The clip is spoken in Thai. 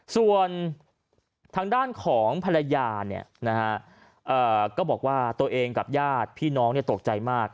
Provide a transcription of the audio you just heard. ส่วนทางด้านของภรรยาก็บอกว่าตัวเองกับญาติพี่น้องตกใจมาก